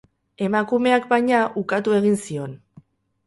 Emakumeak, baina, ukatu egin zion.